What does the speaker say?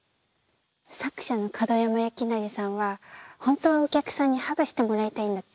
作者の門山幸順さんは本当はお客さんにハグしてもらいたいんだって。